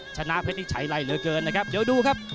ชนะเพชรนี่ใช้ไรเหลือเกินนะครับเดี๋ยวดูครับ